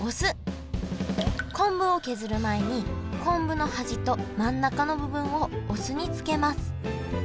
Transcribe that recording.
昆布を削る前に昆布の端と真ん中の部分をお酢に漬けます。